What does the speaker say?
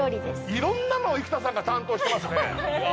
いろんなのを生田さんが担当してますね。